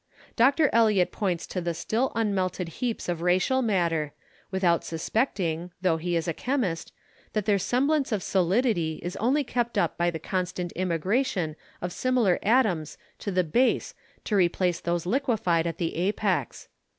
Dr. Eliot points to the still unmelted heaps of racial matter, without suspecting although he is a chemist that their semblance of solidity is only kept up by the constant immigration of similar atoms to the base to replace those liquefied at the apex.